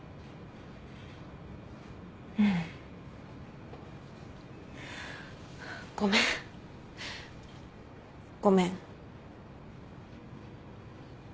ううん。ごめんごめん。